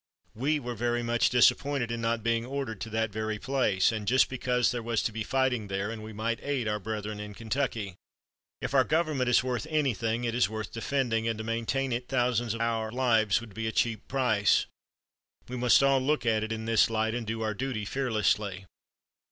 We were very much disappointed in not being ordered to that very place, and just because there was to be fighting there, and we might aid our brethren in Kentucky. If our Government is worth anything it is worth defending and to maintain it thousands of our lives would be a cheap price. We must all look at it in this light, and do our duty fearlessly."